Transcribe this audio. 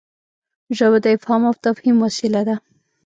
ژبه د افهام او تفهیم وسیله ده.